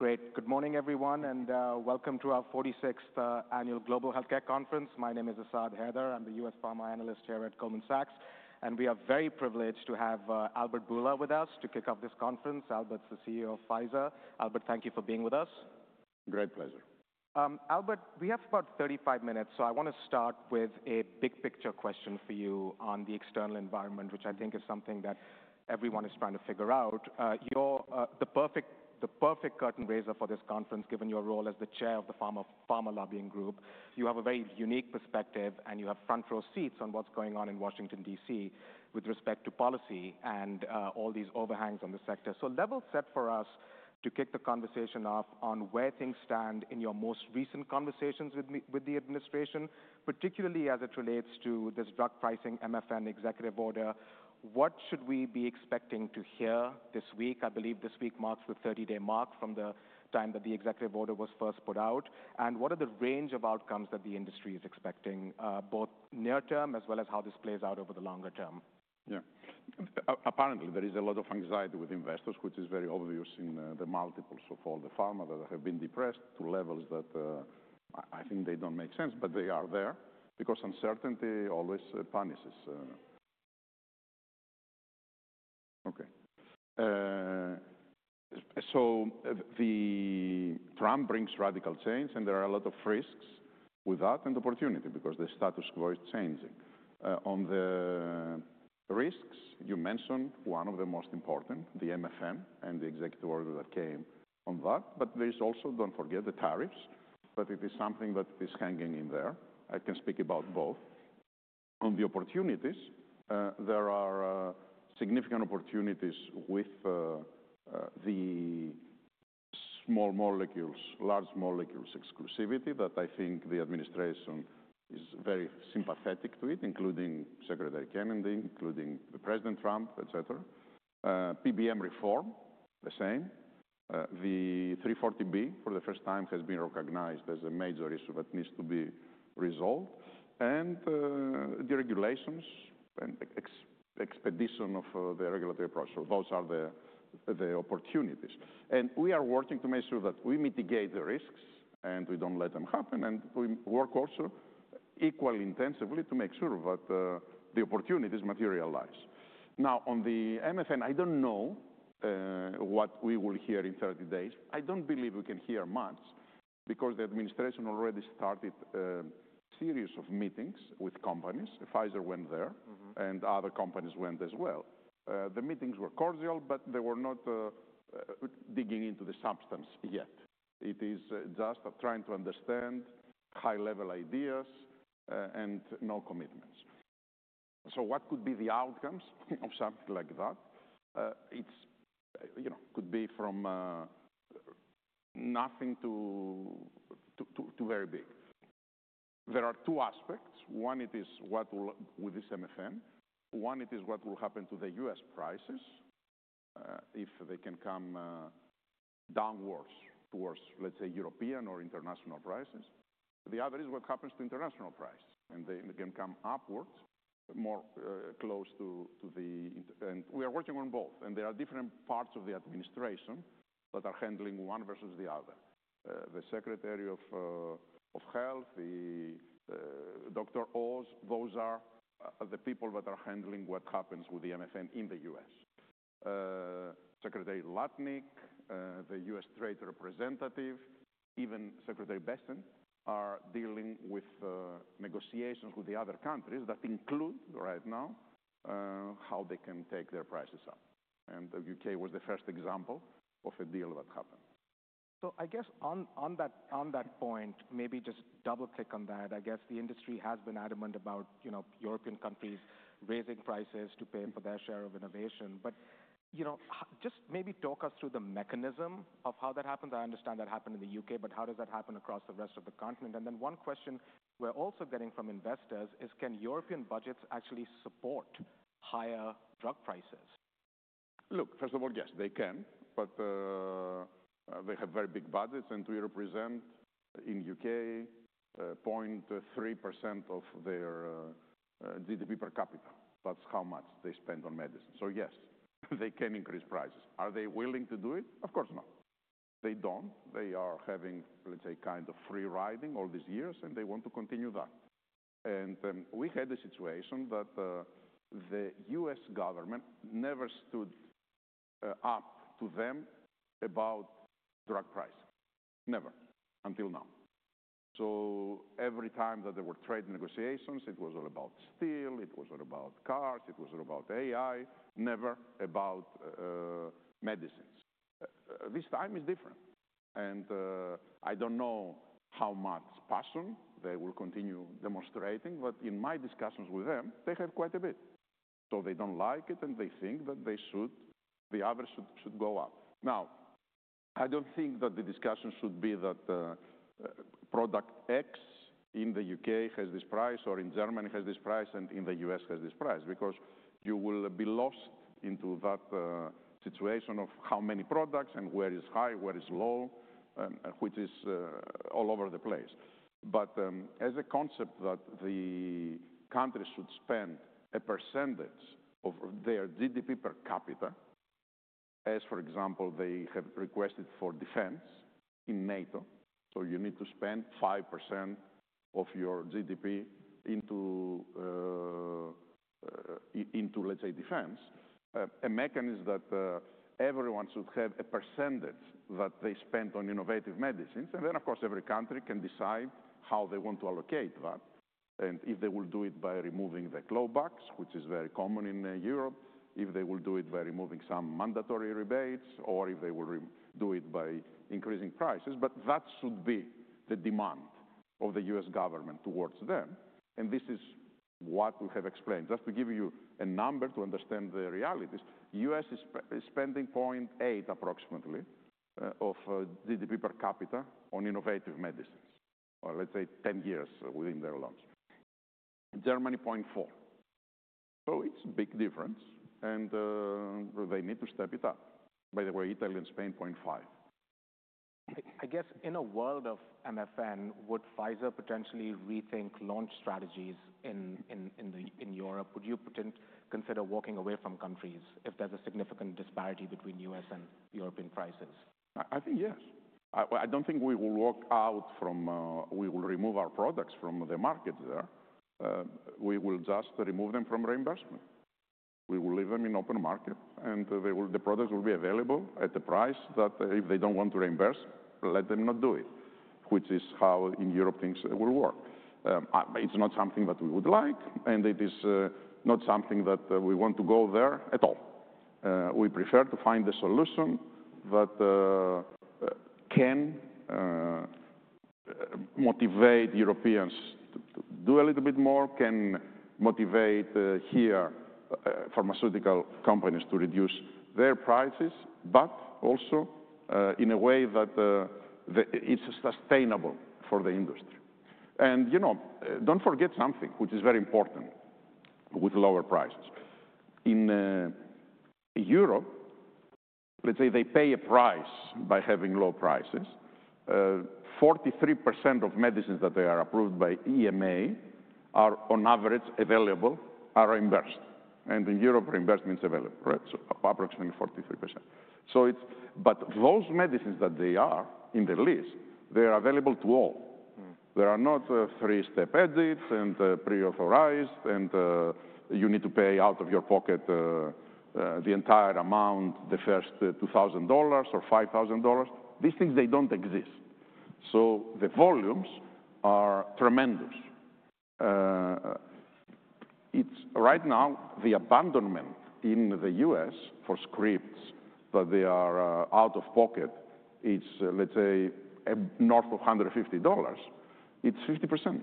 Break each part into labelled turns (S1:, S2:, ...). S1: Great. Good morning, everyone, and welcome to our 46th Annual Global Healthcare Conference. My name is Asad Haider. I'm the U.S. Pharma analyst here at Goldman Sachs, and we are very privileged to have Albert Bourla with us to kick off this conference. Albert's the CEO of Pfizer. Albert, thank you for being with us.
S2: Great pleasure.
S1: Albert, we have about 35 minutes, so I want to start with a big-picture question for you on the external environment, which I think is something that everyone is trying to figure out. You're the perfect curtain raiser for this conference, given your role as the chair of the Pharma Lobbying Group. You have a very unique perspective, and you have front-row seats on what's going on in Washington, D.C., with respect to policy and all these overhangs on the sector. Level set for us to kick the conversation off on where things stand in your most recent conversations with the administration, particularly as it relates to this drug pricing MFN executive order. What should we be expecting to hear this week? I believe this week marks the 30-day mark from the time that the executive order was first put out. What are the range of outcomes that the industry is expecting, both near-term as well as how this plays out over the longer term?
S2: Yeah. Apparently, there is a lot of anxiety with investors, which is very obvious in the multiples of all the pharma that have been depressed to levels that I think they do not make sense, but they are there because uncertainty always punishes. Okay. Trump brings radical change, and there are a lot of risks with that and opportunity because the status quo is changing. On the risks, you mentioned one of the most important, the MFN and the executive order that came on that. There is also, do not forget, the tariffs, but it is something that is hanging in there. I can speak about both. On the opportunities, there are significant opportunities with the small molecules, large molecules exclusivity that I think the administration is very sympathetic to it, including Secretary Kennedy, including President Trump, etc. PBM reform, the same. The 340B, for the first time, has been recognized as a major issue that needs to be resolved. Deregulations and expedition of the regulatory process, those are the opportunities. We are working to make sure that we mitigate the risks and we do not let them happen, and we work also equally intensively to make sure that the opportunities materialize. Now, on the MFN, I do not know what we will hear in 30 days. I do not believe we can hear much because the administration already started a series of meetings with companies. Pfizer went there, and other companies went as well. The meetings were cordial, but they were not digging into the substance yet. It is just trying to understand high-level ideas and no commitments. What could be the outcomes of something like that? It could be from nothing to very big. There are two aspects. One, it is what will happen to the MFN. One, it is what will happen to the U.S. prices if they can come downwards towards, let's say, European or international prices. The other is what happens to international prices, and they can come upwards, more close to the... We are working on both. There are different parts of the administration that are handling one versus the other. The Secretary of Health, Dr. Oz, those are the people that are handling what happens with the MFN in the U.S. Secretary Lutnick, the U.S. Trade Representative, even Secretary Bessent are dealing with negotiations with the other countries that include right now how they can take their prices up. The U.K. was the first example of a deal that happened.
S1: I guess on that point, maybe just double-click on that. I guess the industry has been adamant about European countries raising prices to pay for their share of innovation. Just maybe talk us through the mechanism of how that happens. I understand that happened in the U.K., but how does that happen across the rest of the continent? One question we're also getting from investors is, can European budgets actually support higher drug prices?
S2: Look, first of all, yes, they can, but they have very big budgets, and we represent in U.K. 0.3% of their GDP per capita. That's how much they spend on medicine. Yes, they can increase prices. Are they willing to do it? Of course not. They don't. They are having, let's say, kind of free riding all these years, and they want to continue that. We had a situation that the U.S. government never stood up to them about drug pricing. Never, until now. Every time that there were trade negotiations, it was all about steel, it was all about cars, it was all about AI, never about medicines. This time is different. I don't know how much passion they will continue demonstrating, but in my discussions with them, they have quite a bit. They don't like it, and they think that the average should go up. Now, I don't think that the discussion should be that product X in the U.K. has this price or in Germany has this price and in the U.S. has this price because you will be lost into that situation of how many products and where is high, where is low, which is all over the place. As a concept that the countries should spend a percentage of their GDP per capita, as for example, they have requested for defense in NATO, so you need to spend 5% of your GDP into, let's say, defense, a mechanism that everyone should have a percentage that they spend on innovative medicines. Of course, every country can decide how they want to allocate that and if they will do it by removing the clawback, which is very common in Europe, if they will do it by removing some mandatory rebates, or if they will do it by increasing prices. That should be the demand of the U.S. government towards them. This is what we have explained. Just to give you a number to understand the realities, the U.S. is spending 0.8% approximately of GDP per capita on innovative medicines, let's say 10 years within their launch. Germany, 0.4%. It is a big difference, and they need to step it up. By the way, Italy and Spain, 0.5%.
S1: I guess in a world of MFN, would Pfizer potentially rethink launch strategies in Europe? Would you consider walking away from countries if there's a significant disparity between U.S. and European prices?
S2: I think yes. I don't think we will walk out from, we will remove our products from the market there. We will just remove them from reimbursement. We will leave them in open market, and the products will be available at the price that if they don't want to reimburse, let them not do it, which is how in Europe things will work. It's not something that we would like, and it is not something that we want to go there at all. We prefer to find a solution that can motivate Europeans to do a little bit more, can motivate here pharmaceutical companies to reduce their prices, but also in a way that it's sustainable for the industry. Don't forget something, which is very important with lower prices. In Europe, let's say they pay a price by having low prices. 43% of medicines that they are approved by EMA are, on average, available, are reimbursed. In Europe, reimbursement is available, right? So approximately 43%. Those medicines that they are in the list, they are available to all. They are not three-step edit and pre-authorized, and you need to pay out of your pocket the entire amount, the first $2,000 or $5,000. These things, they do not exist. The volumes are tremendous. Right now, the abandonment in the U.S. for scripts that they are out of pocket is, let's say, north of $150. It is 50%.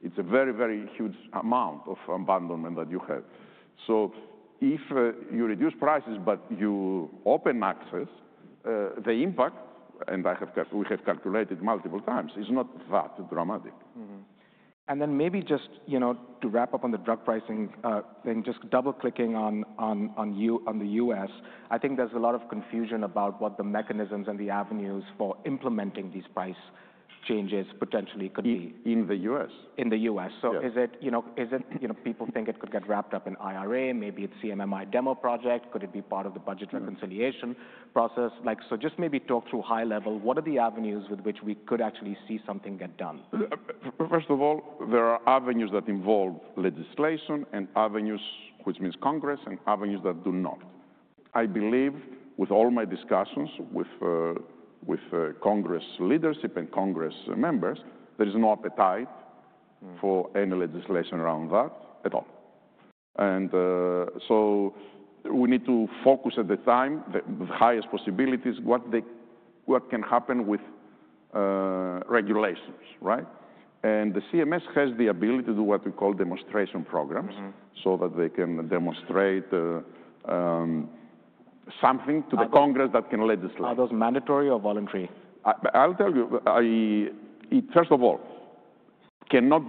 S2: It is a very, very huge amount of abandonment that you have. If you reduce prices, but you open access, the impact, and we have calculated multiple times, is not that dramatic.
S1: Maybe just to wrap up on the drug pricing thing, just double-clicking on the U.S., I think there's a lot of confusion about what the mechanisms and the avenues for implementing these price changes potentially could be.
S2: In the U.S.?
S1: In the U.S. Is it people think it could get wrapped up in IRA? Maybe it's CMMI demo project. Could it be part of the budget reconciliation process? Just maybe talk through high level, what are the avenues with which we could actually see something get done?
S2: First of all, there are avenues that involve legislation and avenues, which means Congress, and avenues that do not. I believe, with all my discussions with Congress leadership and Congress members, there is no appetite for any legislation around that at all. We need to focus at the time, the highest possibilities, what can happen with regulations, right? The CMS has the ability to do what we call demonstration programs so that they can demonstrate something to the Congress that can legislate.
S1: Are those mandatory or voluntary?
S2: I'll tell you. First of all, cannot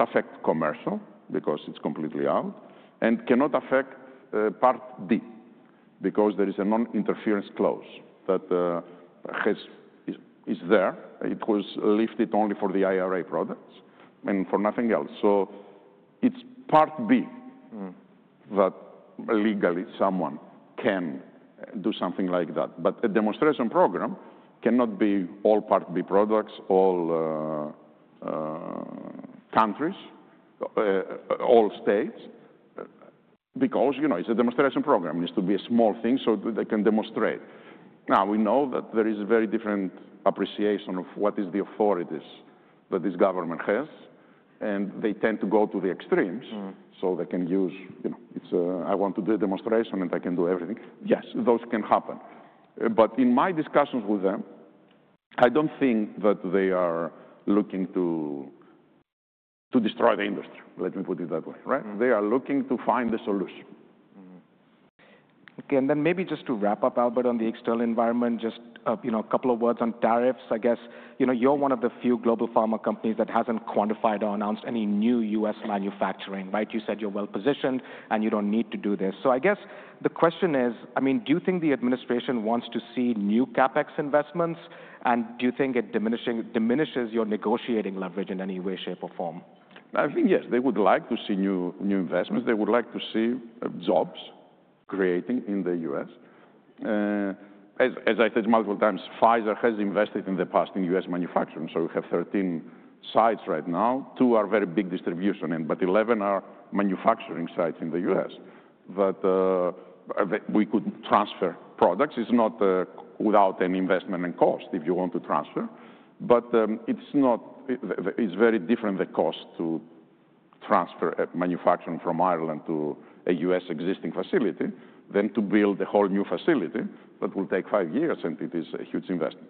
S2: affect commercial because it's completely out, and cannot affect Part D because there is a non-interference clause that is there. It was lifted only for the IRA products and for nothing else. It is Part B that legally someone can do something like that. A demonstration program cannot be all Part B products, all countries, all states, because it's a demonstration program. It needs to be a small thing so they can demonstrate. Now, we know that there is a very different appreciation of what is the authorities that this government has, and they tend to go to the extremes so they can use, "I want to do a demonstration, and I can do everything." Yes, those can happen. In my discussions with them, I don't think that they are looking to destroy the industry, let me put it that way, right? They are looking to find the solution.
S1: Okay. Maybe just to wrap up, Albert, on the external environment, just a couple of words on tariffs. I guess you're one of the few global pharma companies that hasn't quantified or announced any new U.S. manufacturing, right? You said you're well-positioned, and you don't need to do this. I guess the question is, I mean, do you think the administration wants to see new CapEx investments, and do you think it diminishes your negotiating leverage in any way, shape, or form?
S2: I think yes. They would like to see new investments. They would like to see jobs creating in the U.S. As I said multiple times, Pfizer has invested in the past in U.S. manufacturing. We have 13 sites right now. Two are very big distribution, but 11 are manufacturing sites in the U.S. that we could transfer products. It is not without any investment and cost if you want to transfer. It is very different, the cost to transfer manufacturing from Ireland to a U.S. existing facility than to build a whole new facility that will take five years, and it is a huge investment.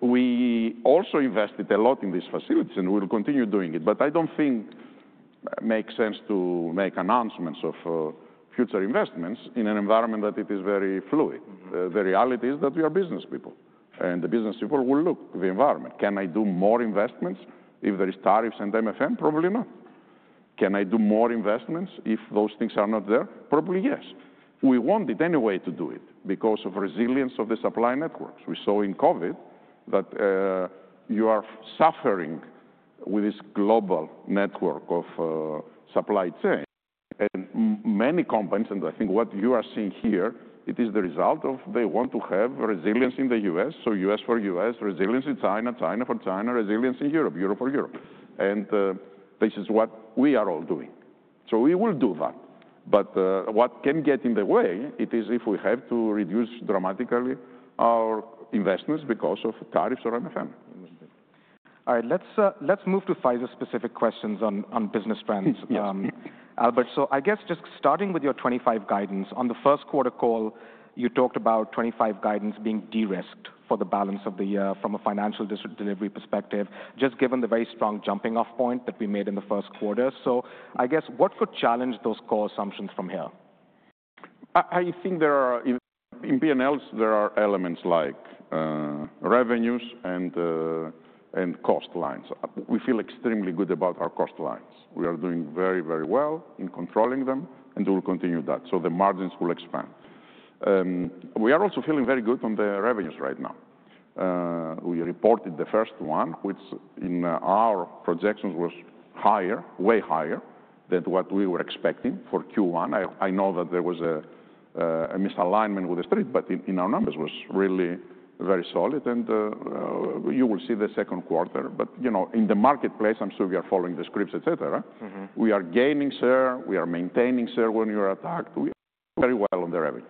S2: We also invested a lot in these facilities, and we will continue doing it. I do not think it makes sense to make announcements of future investments in an environment that it is very fluid. The reality is that we are business people, and the business people will look at the environment. Can I do more investments if there are tariffs and MFN? Probably not. Can I do more investments if those things are not there? Probably yes. We wanted anyway to do it because of resilience of the supply networks. We saw in COVID that you are suffering with this global network of supply chain. Many companies, and I think what you are seeing here, it is the result of they want to have resilience in the U.S. U.S. for U.S., resilience in China, China for China, resilience in Europe, Europe for Europe. This is what we are all doing. We will do that. What can get in the way, it is if we have to reduce dramatically our investments because of tariffs or MFN.
S1: All right. Let's move to Pfizer-specific questions on business trends.
S2: Yes.
S1: Albert, so I guess just starting with your 2025 guidance, on the first quarter call, you talked about 2025 guidance being de-risked for the balance of the year from a financial delivery perspective, just given the very strong jumping-off point that we made in the first quarter. So I guess what could challenge those core assumptions from here?
S2: I think in P&Ls, there are elements like revenues and cost lines. We feel extremely good about our cost lines. We are doing very, very well in controlling them, and we will continue that. The margins will expand. We are also feeling very good on the revenues right now. We reported the first one, which in our projections was higher, way higher than what we were expecting for Q1. I know that there was a misalignment with the street, but in our numbers, it was really very solid. You will see the second quarter. In the marketplace, I am sure we are following the scripts, et cetera. We are gaining share. We are maintaining share when you are attacked. We are very well on the revenues.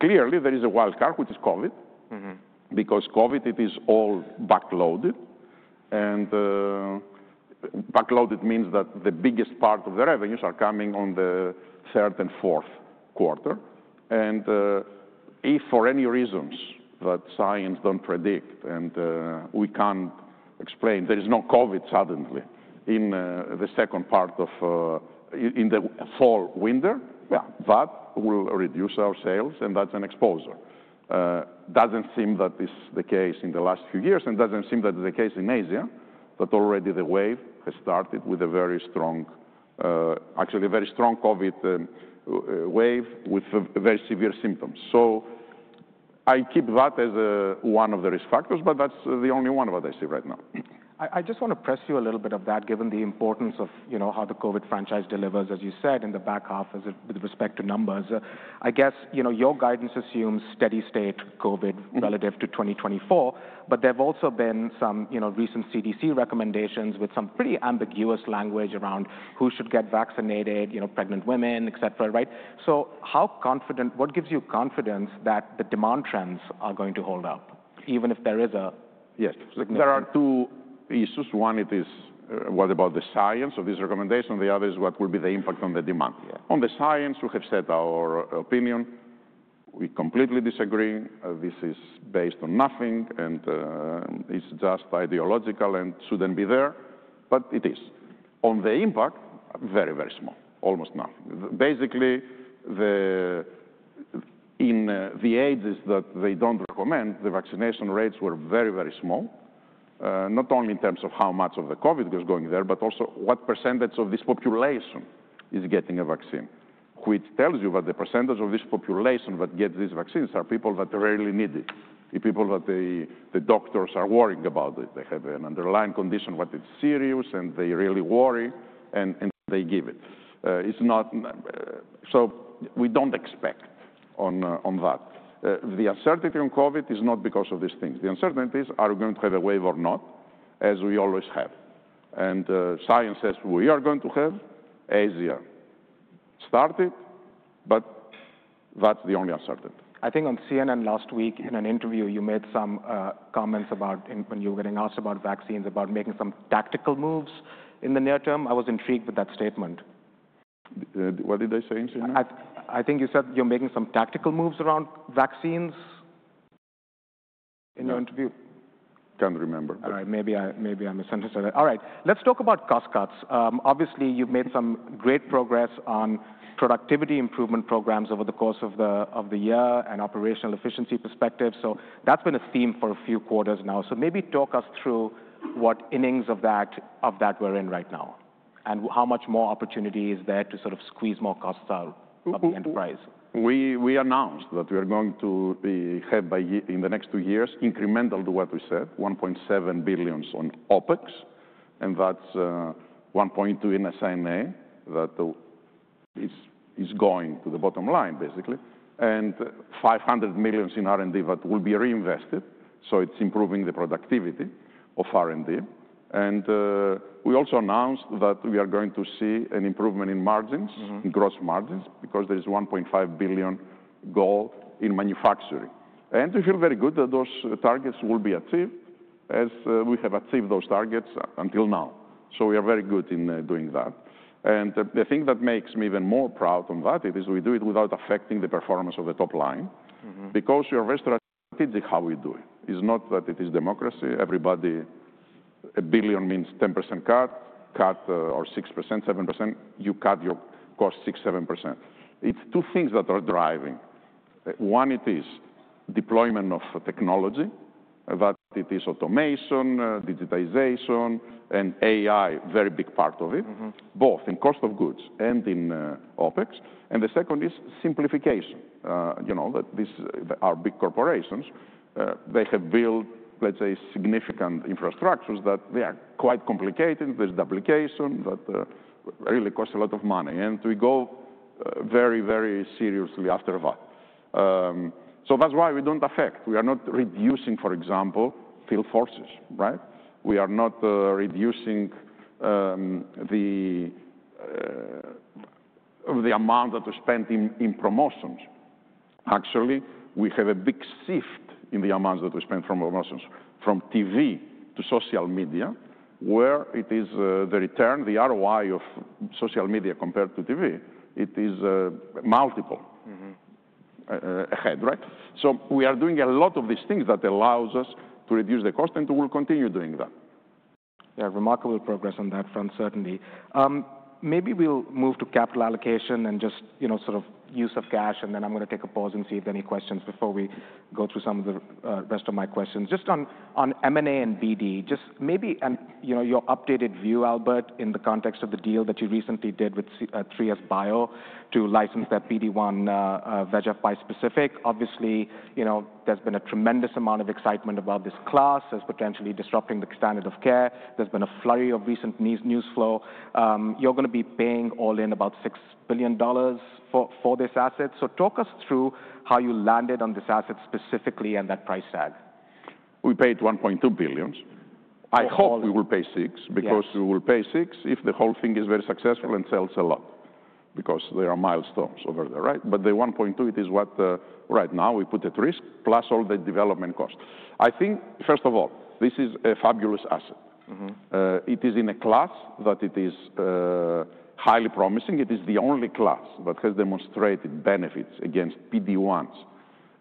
S2: Clearly, there is a wild card, which is COVID, because COVID, it is all backloaded. Backloaded means that the biggest part of the revenues are coming on the third and fourth quarter. If for any reasons that science doesn't predict and we can't explain, there is no COVID suddenly in the second part of in the fall, winter, that will reduce our sales, and that's an exposure. Doesn't seem that is the case in the last few years, and doesn't seem that is the case in Asia, that already the wave has started with a very strong, actually a very strong COVID wave with very severe symptoms. I keep that as one of the risk factors, but that's the only one that I see right now.
S1: I just want to press you a little bit on that, given the importance of how the COVID franchise delivers, as you said, in the back half with respect to numbers. I guess your guidance assumes steady state COVID relative to 2024, but there have also been some recent CDC recommendations with some pretty ambiguous language around who should get vaccinated, pregnant women, et cetera, right? What gives you confidence that the demand trends are going to hold up, even if there is a?
S2: Yes. There are two issues. One, it is what about the science of this recommendation? The other is what will be the impact on the demand? On the science, we have said our opinion. We completely disagree. This is based on nothing, and it's just ideological and shouldn't be there, but it is. On the impact, very, very small, almost nothing. Basically, in the ages that they don't recommend, the vaccination rates were very, very small, not only in terms of how much of the COVID was going there, but also what percentage of this population is getting a vaccine, which tells you that the percentage of this population that gets these vaccines are people that really need it, people that the doctors are worried about it. They have an underlying condition, but it's serious, and they really worry, and they give it. We don't expect on that. The uncertainty on COVID is not because of these things. The uncertainties are going to have a wave or not, as we always have. Science says we are going to have Asia started, but that's the only uncertainty.
S1: I think on CNN last week, in an interview, you made some comments about when you were getting asked about vaccines, about making some tactical moves in the near term. I was intrigued with that statement.
S2: What did I say in CNN?
S1: I think you said you're making some tactical moves around vaccines in your interview.
S2: Can't remember.
S1: All right. Maybe I misunderstood. All right. Let's talk about cost cuts. Obviously, you've made some great progress on productivity improvement programs over the course of the year and operational efficiency perspective. That has been a theme for a few quarters now. Maybe talk us through what innings of that we're in right now and how much more opportunity is there to sort of squeeze more costs out of the enterprise.
S2: We announced that we are going to have in the next two years, incremental to what we said, $1.7 billion on OPEX, and that's $1.2 billion in SIMA that is going to the bottom line, basically, and $500 million in R&D that will be reinvested. It is improving the productivity of R&D. We also announced that we are going to see an improvement in margins, in gross margins, because there is a $1.5 billion goal in manufacturing. We feel very good that those targets will be achieved, as we have achieved those targets until now. We are very good in doing that. The thing that makes me even more proud on that is we do it without affecting the performance of the top line because we are very strategic how we do it. It's not that it is democracy. Everybody, a billion means 10% cut, cut or 6%, 7%. You cut your cost 6%, 7%. It's two things that are driving. One, it is deployment of technology, that it is automation, digitization, and AI, very big part of it, both in cost of goods and in OPEX. The second is simplification. Our big corporations, they have built, let's say, significant infrastructures that they are quite complicated. There's duplication that really costs a lot of money. We go very, very seriously after that. That's why we don't affect. We are not reducing, for example, field forces, right? We are not reducing the amount that we spend in promotions. Actually, we have a big shift in the amounts that we spend from promotions, from TV to social media, where it is the return, the ROI of social media compared to TV. It is multiple ahead, right? We are doing a lot of these things that allows us to reduce the cost, and we'll continue doing that.
S1: Yeah, remarkable progress on that front, certainly. Maybe we'll move to capital allocation and just sort of use of cash, and then I'm going to take a pause and see if there are any questions before we go through some of the rest of my questions. Just on M&A and BD, just maybe your updated view, Albert, in the context of the deal that you recently did with 3SBio to license that PD-1/VEGF bispecific. Obviously, there's been a tremendous amount of excitement about this class as potentially disrupting the standard of care. There's been a flurry of recent news flow. You're going to be paying all in about $6 billion for this asset. So talk us through how you landed on this asset specifically and that price tag.
S2: We paid $1.2 billion. I hope we will pay $6 billion because we will pay $6 billion if the whole thing is very successful and sells a lot because there are milestones over there, right? The $1.2 billion, it is what right now we put at risk, plus all the development costs. I think, first of all, this is a fabulous asset. It is in a class that it is highly promising. It is the only class that has demonstrated benefits against PD-1s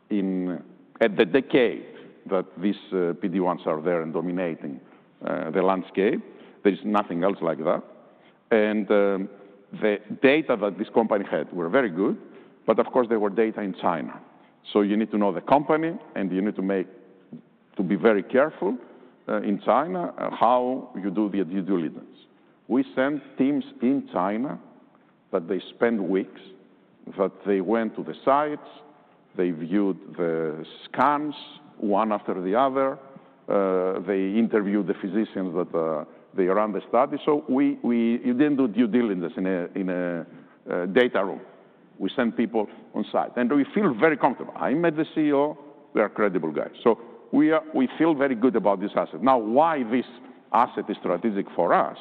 S2: in the decade that these PD-1s are there and dominating the landscape. There is nothing else like that. The data that this company had were very good, but of course, there were data in China. You need to know the company, and you need to be very careful in China how you do the due diligence. We sent teams in China that they spent weeks, that they went to the sites, they viewed the scans one after the other. They interviewed the physicians that they are understudying. You did not do due diligence in a data room. We sent people on site, and we feel very comfortable. I met the CEO. They are credible guys. We feel very good about this asset. Now, why this asset is strategic for us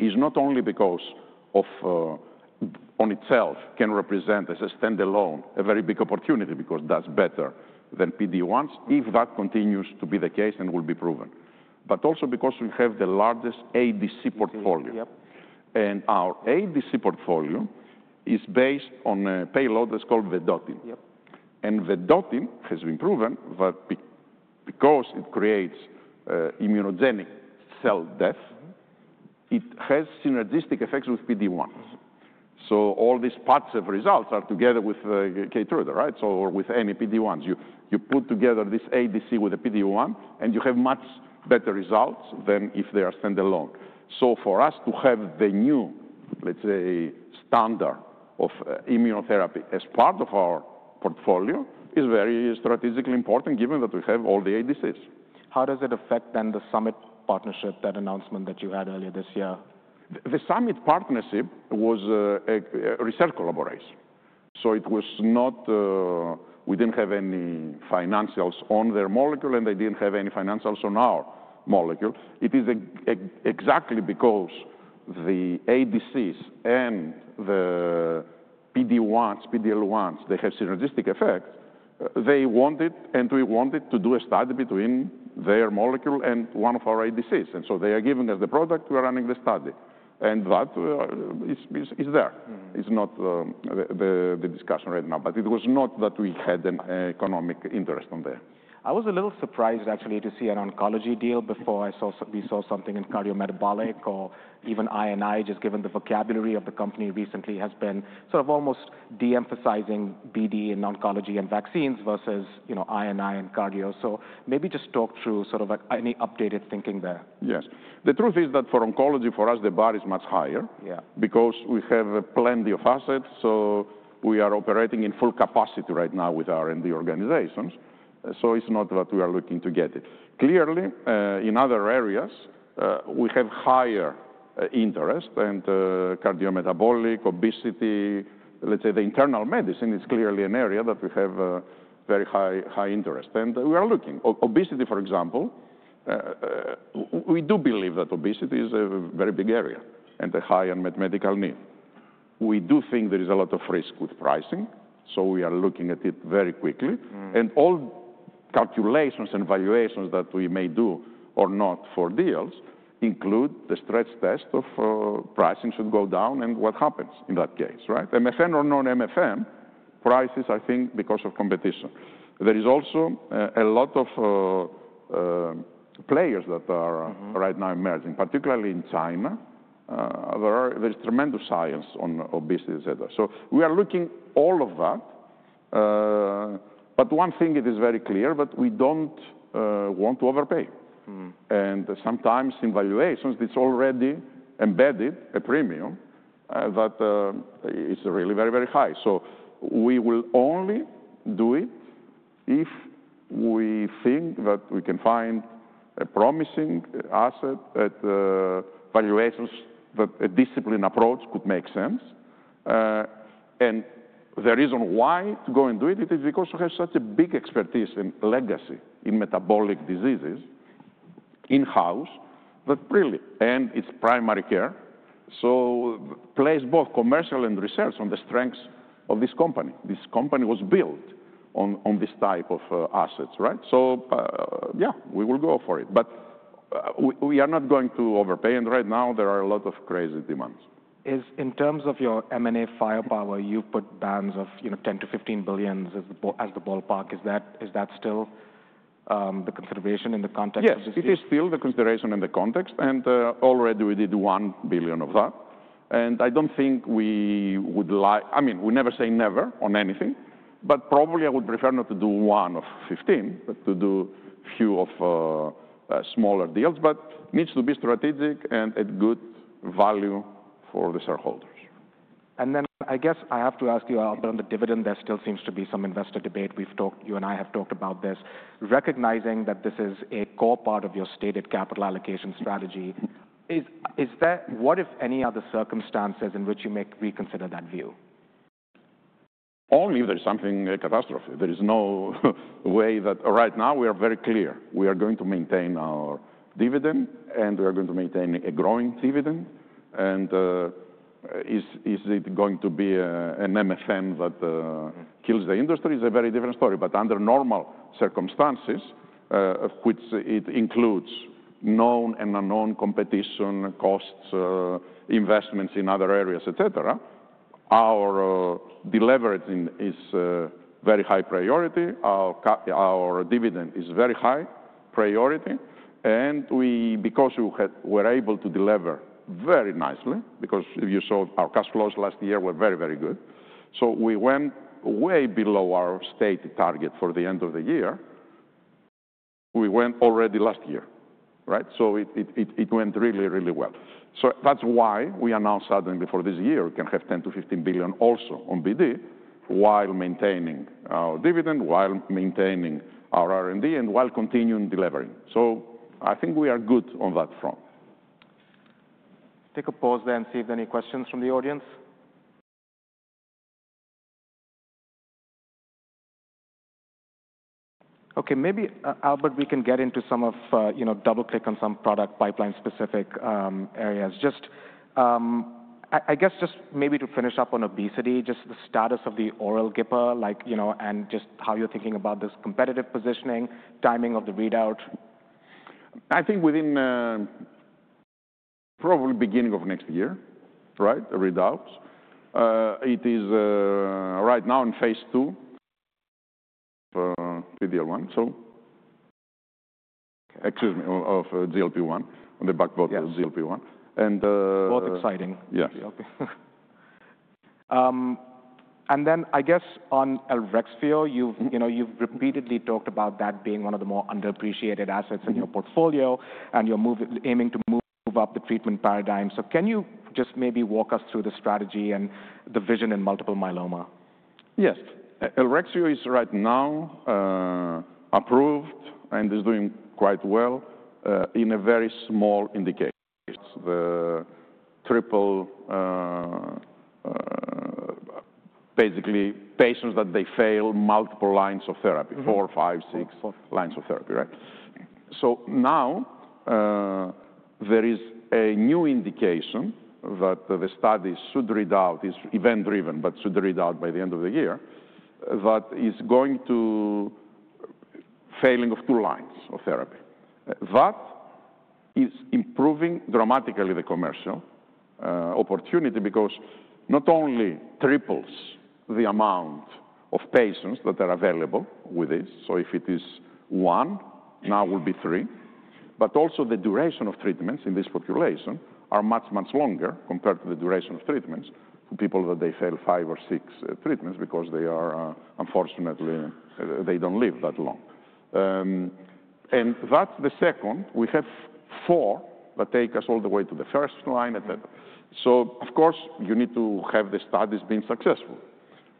S2: is not only because on itself can represent as a standalone a very big opportunity because that is better than PD-1s if that continues to be the case and will be proven, but also because we have the largest ADC portfolio. Our ADC portfolio is based on a payload that is called Vedotin. Vedotin has been proven that because it creates immunogenic cell death, it has synergistic effects with PD-1s. All these parts of results are together with Keytruda, right? With any PD-1s, you put together this ADC with a PD-1, and you have much better results than if they are standalone. For us to have the new, let's say, standard of immunotherapy as part of our portfolio is very strategically important given that we have all the ADCs.
S1: How does it affect then the Summit partnership, that announcement that you had earlier this year?
S2: The Summit partnership was a research collaboration. We did not have any financials on their molecule, and they did not have any financials on our molecule. It is exactly because the ADCs and the PD-1s, PD-L1s, they have synergistic effects. They wanted, and we wanted, to do a study between their molecule and one of our ADCs. They are giving us the product. We are running the study. That is there. It is not the discussion right now, but it was not that we had an economic interest on there.
S1: I was a little surprised, actually, to see an oncology deal before we saw something in cardiometabolic or even INI, just given the vocabulary of the company recently has been sort of almost de-emphasizing BD in oncology and vaccines versus INI and cardio. Maybe just talk through sort of any updated thinking there.
S2: Yes. The truth is that for oncology, for us, the bar is much higher because we have plenty of assets. We are operating in full capacity right now with R&D organizations. It is not that we are looking to get it. Clearly, in other areas, we have higher interest. Cardiometabolic, obesity, let's say the internal medicine, it is clearly an area that we have very high interest. We are looking. Obesity, for example, we do believe that obesity is a very big area and a high unmet medical need. We do think there is a lot of risk with pricing. We are looking at it very quickly. All calculations and valuations that we may do or not for deals include the stress test of pricing should go down and what happens in that case, right? MFN or non-MFN prices, I think, because of competition. There is also a lot of players that are right now emerging, particularly in China. There is tremendous science on obesity, et cetera. We are looking at all of that. One thing it is very clear, we do not want to overpay. Sometimes in valuations, it is already embedded a premium that is really very, very high. We will only do it if we think that we can find a promising asset at valuations that a disciplined approach could make sense. The reason why to go and do it, it is because we have such a big expertise and legacy in metabolic diseases in-house that really, and it is primary care. It places both commercial and research on the strengths of this company. This company was built on this type of assets, right? Yeah, we will go for it. We are not going to overpay. Right now, there are a lot of crazy demands.
S1: In terms of your M&A firepower, you've put bands of $10 billion-$15 billion as the ballpark. Is that still the consideration in the context of this year?
S2: Yes, it is still the consideration in the context. And already we did $1 billion of that. I do not think we would like, I mean, we never say never on anything, but probably I would prefer not to do one of fifteen, but to do a few smaller deals. It needs to be strategic and at good value for the shareholders.
S1: I guess I have to ask you about the dividend. There still seems to be some investor debate. You and I have talked about this. Recognizing that this is a core part of your stated capital allocation strategy, what, if any, are the circumstances in which you may reconsider that view?
S2: Only if there's something catastrophic. There is no way that right now we are very clear. We are going to maintain our dividend, and we are going to maintain a growing dividend. Is it going to be an MFN that kills the industry? It is a very different story. Under normal circumstances, which includes known and unknown competition, costs, investments in other areas, et cetera, our delivery is very high priority. Our dividend is very high priority. Because we were able to deliver very nicely, if you saw our cash flows last year, they were very, very good. We went way below our stated target for the end of the year. We went already last year, right? It went really, really well. That's why we announced suddenly for this year we can have $10 billion-$15 billion also on BD while maintaining our dividend, while maintaining our R&D, and while continuing delivering. I think we are good on that front.
S1: Take a pause there and see if there are any questions from the audience. Okay, maybe, Albert, we can get into some of, double-click on some product pipeline-specific areas. I guess just maybe to finish up on obesity, just the status of the oral gipper and just how you're thinking about this competitive positioning, timing of the readout.
S2: I think within probably beginning of next year, right, readouts. It is right now in phase II, PD-L1, excuse me, of GLP-1, on the backbone of GLP-1.
S1: Both exciting.
S2: Yes.
S1: I guess on ELREXFIO, you've repeatedly talked about that being one of the more underappreciated assets in your portfolio and you're aiming to move up the treatment paradigm. Can you just maybe walk us through the strategy and the vision in multiple Myeloma?
S2: Yes. ELREXFIO is right now approved and is doing quite well in a very small indication. The triple, basically patients that they fail multiple lines of therapy, four, five, six lines of therapy, right? Now there is a new indication that the study should read out, is event-driven, but should read out by the end of the year, that is going to failing of two lines of therapy. That is improving dramatically the commercial opportunity because not only triples the amount of patients that are available with this. If it is one, now will be three. Also the duration of treatments in this population are much, much longer compared to the duration of treatments for people that they fail five or six treatments because they are unfortunately, they do not live that long. That is the second. We have four that take us all the way to the first line, et cetera. Of course, you need to have the studies being successful.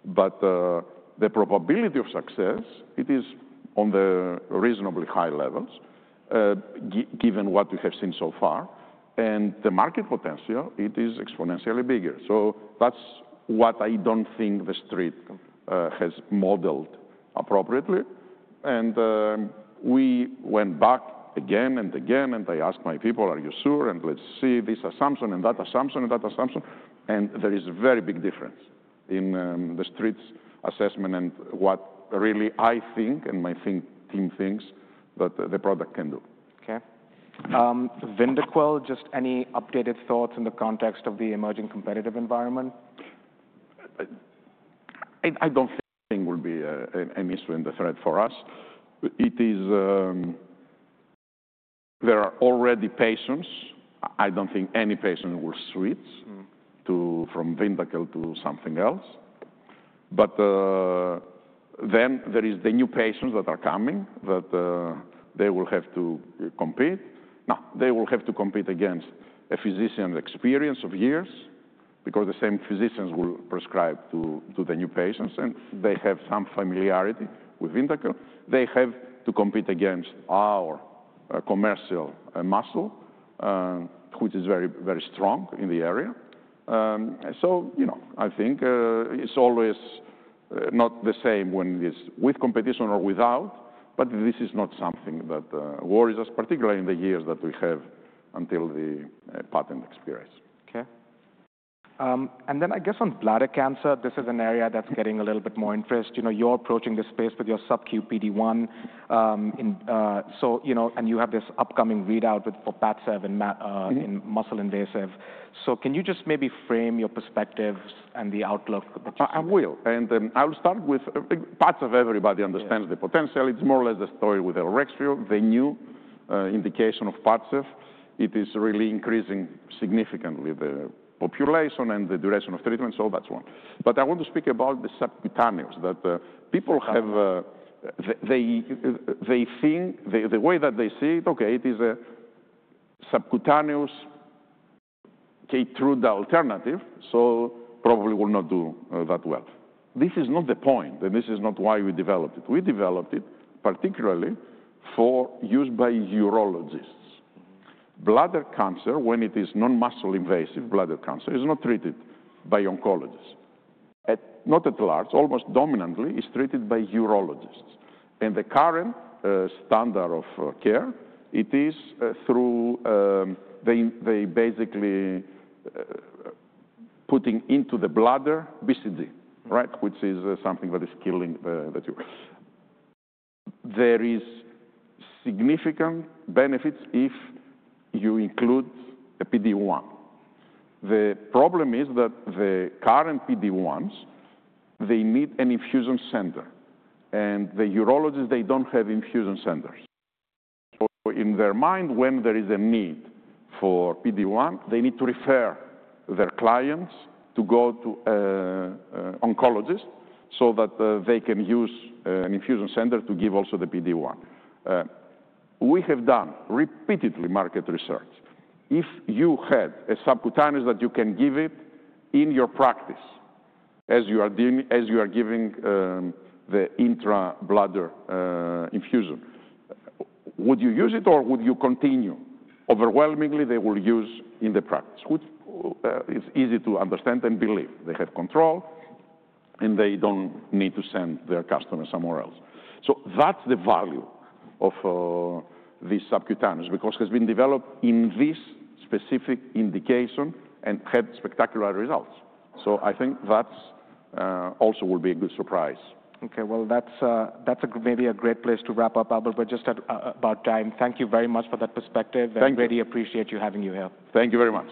S2: The probability of success, it is on the reasonably high levels given what we have seen so far. The market potential, it is exponentially bigger. That is what I do not think the street has modeled appropriately. We went back again and again, and I asked my people, are you sure? Let us see this assumption and that assumption and that assumption. There is a very big difference in the street's assessment and what really I think and my team thinks that the product can do.
S1: Okay. Vyndaqel, just any updated thoughts in the context of the emerging competitive environment?
S2: I don't think will be an issue and a threat for us. There are already patients. I don't think any patient will switch from Vyndaqel to something else. There are the new patients that are coming that they will have to compete. They will have to compete against a physician's experience of years because the same physicians will prescribe to the new patients. They have some familiarity with Vyndaqel. They have to compete against our commercial muscle, which is very, very strong in the area. I think it's always not the same when it is with competition or without, but this is not something that worries us, particularly in the years that we have until the patent expires.
S1: Okay. I guess on bladder cancer, this is an area that's getting a little bit more interest. You're approaching this space with your subQ PD-1. You have this upcoming readout for Padcev in muscle invasive. Can you just maybe frame your perspectives and the outlook?
S2: I will. I will start with Padcev. Everybody understands the potential. It's more or less the story with Elrexfio. The new indication of Padcev, it is really increasing significantly the population and the duration of treatment. That's one. I want to speak about the subcutaneous that people have. They think the way that they see it, okay, it is a subcutaneous Keytruda alternative. Probably will not do that well. This is not the point. This is not why we developed it. We developed it particularly for use by urologists. Bladder cancer, when it is non-muscle invasive, bladder cancer is not treated by oncologists. Not at large, almost dominantly is treated by urologists. The current standard of care, it is through they basically putting into the bladder BCG, right, which is something that is killing the tumor. There are significant benefits if you include a PD-1. The problem is that the current PD-1s, they need an infusion center. The urologists, they do not have infusion centers. In their mind, when there is a need for PD-1, they need to refer their clients to go to an oncologist so that they can use an infusion center to give also the PD-1. We have done repeatedly market research. If you had a subcutaneous that you can give in your practice as you are giving the intra-bladder infusion, would you use it or would you continue? Overwhelmingly, they will use in the practice. It is easy to understand and believe. They have control, and they do not need to send their customers somewhere else. That is the value of this subcutaneous because it has been developed in this specific indication and had spectacular results. I think that also will be a good surprise.
S1: Okay. That's maybe a great place to wrap up, Albert. We're just about time. Thank you very much for that perspective.
S2: Thank you.
S1: Really appreciate you having you here.
S2: Thank you very much.